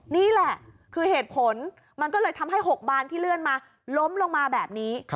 นี่แหละคือเหตุผลมันก็เลยทำให้๖บานที่เลื่อนมาล้มลงมาแบบนี้